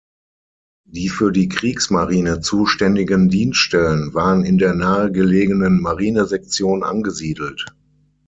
Die für die Kriegsmarine zuständigen Dienststellen waren in der nahe gelegenen Marinesektion angesiedelt.